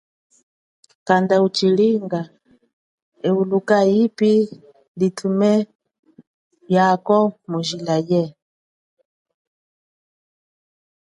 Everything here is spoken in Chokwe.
Kanda uchilinga ehuka yipi litume yeyako mu jila ye.